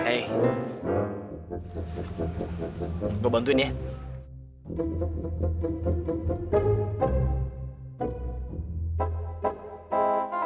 hey gue bantuin ya